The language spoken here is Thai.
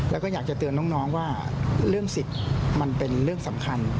แล้วก็อยากจะเตือนน้องว่าเรื่องสิทธิ์มันเป็นเรื่องสำคัญ